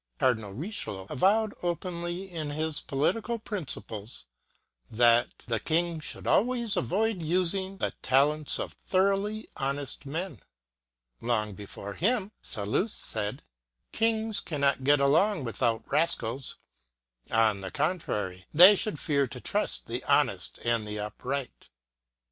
Cardinal Richelieu avowed openly in his political princi ples, that "the king should always avoid using the talents of thoroughly honest men." Long before him Sal lust said: "Kings cannot get along without rascals. On the contrary, they should fear to trust the honest and the upright."